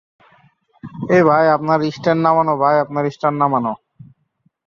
এই stadium Volga নদীর তীর ঘেঁষে অবস্থিত।